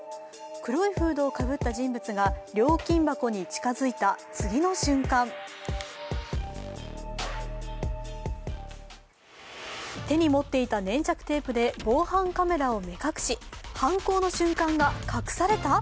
黒いフードをかぶった人物が料金箱に近づいた次の瞬間手に持っていた粘着テープで防犯カメラを目隠し、犯行の瞬間が隠された？